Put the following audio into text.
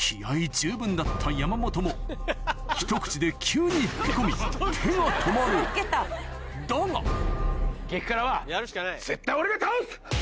十分だった山本もひと口で急に老け込み手が止まるだが激辛は。